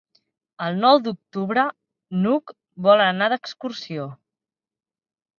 El nou d'octubre n'Hug vol anar d'excursió.